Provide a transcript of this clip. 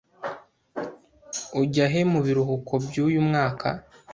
Ujya he mubiruhuko byuyu mwaka?